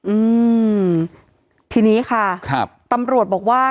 อืมทีนี้ค่ะครับตำรวจบอกว่า